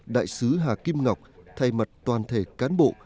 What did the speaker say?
đại sứ hà kim ngọc thay mặt toàn thể cán bộ